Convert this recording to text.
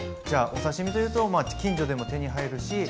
じゃお刺身というと近所でも手に入るし。